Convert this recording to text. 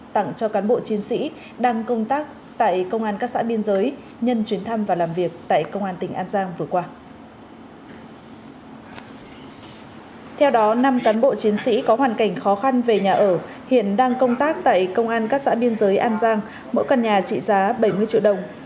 theo đó năm cán bộ chiến sĩ có hoàn cảnh khó khăn về nhà ở hiện đang công tác tại công an các xã biên giới an giang mỗi căn nhà trị giá bảy mươi triệu đồng